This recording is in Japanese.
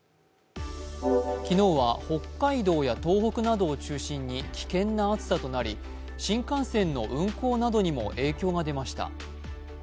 昨日は北海道や東北などを中心に危険な暑さとなり新幹線の運行などにも影響が出ました。